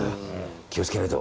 気をつけないと。